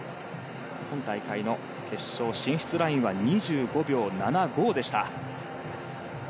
今大会の決勝進出ラインは２５秒７５でした。